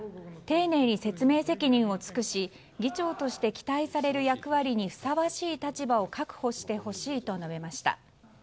丁寧に説明責任を尽くし議長として期待される役割にふさわしい立場を確保してほしいと述べました。